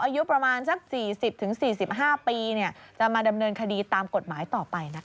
อายุประมาณสัก๔๐๔๕ปีจะมาดำเนินคดีตามกฎหมายต่อไปนะคะ